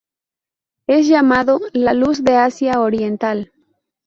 Es llamado "La Luz de Asia Oriental",